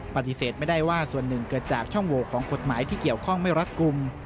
ปฏิเสธไม่ได้ว่าส่วนหนึ่งเกิดจากช่องโหวของกฎหมายที่เกี่ยวข้องไม่รัดกลุ่ม